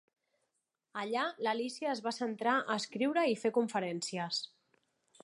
Allà, l'Alícia es va centrar a escriure i fer conferències.